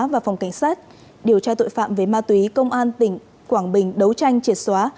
và phòng cảnh sát điều tra tội phạm về ma túy công an tỉnh quảng bình đấu tranh triệt xóa